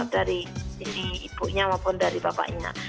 dari ibu ibu nya maupun dari bapaknya